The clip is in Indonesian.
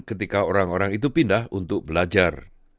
ketika orang orang itu pindah untuk belajar